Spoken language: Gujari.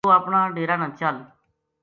توہ اپنا ڈیرا نا چل‘‘